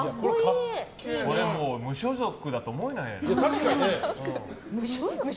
無所属だと思えないね。